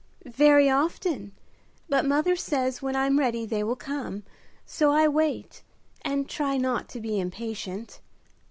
"Very often, but mother says when I'm ready they will come, so I wait and try not to be impatient."